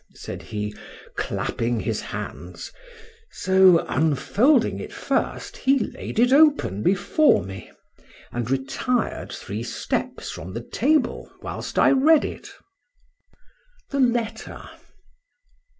said he, clapping his hands: so, unfolding it first, he laid it open before me, and retired three steps from the table whilst I read it. THE LETTER.